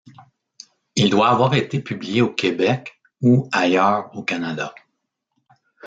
Il doit avoir été publié au Québec ou ailleurs au Canada.